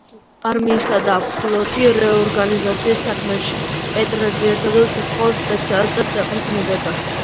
არმიისა და ფლოტი რეორგანიზაციის საქმეში პეტრე ძირითადად უცხოელ სპეციალისტებს ეყრდნობოდა.